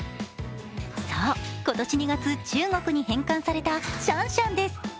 そう、今年２月、中国に返還されたシャンシャンです。